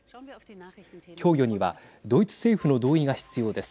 供与にはドイツ政府の同意が必要です。